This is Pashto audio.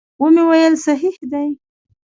ومې ویل صحیح دي.